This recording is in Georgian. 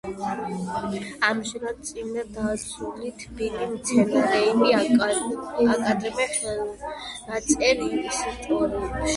ამჟამად წიგნი დაცულია თბილისში, მეცნიერებათა აკადემიის ხელნაწერთა ინსტიტუტში.